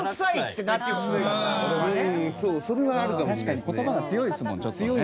確かに言葉が強いですもんちょっとね。